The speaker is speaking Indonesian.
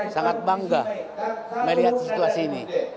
sangat bangga melihat situasi ini